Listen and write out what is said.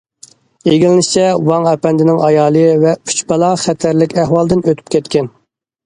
ئىگىلىنىشىچە، ۋاڭ ئەپەندىنىڭ ئايالى ۋە ئۈچ بالا خەتەرلىك ئەھۋالدىن ئۆتۈپ كەتكەن.